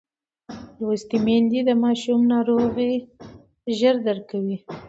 لوستې میندې د ماشوم ناروغۍ ژر درک کوي.